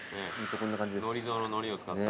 こんな感じです。